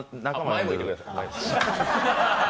前向いてください。